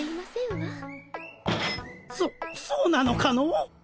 そそうなのかの？